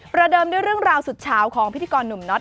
เดิมด้วยเรื่องราวสุดเฉาของพิธีกรหนุ่มน็อต